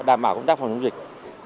đảm bảo công tác phòng chống dịch